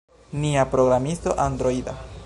Nia programisto Androida